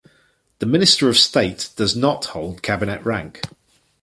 The Minister of State does not hold cabinet rank.